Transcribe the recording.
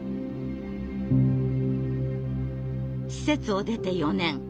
施設を出て４年。